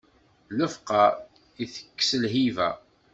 Lefqeṛ itekkes lhiba.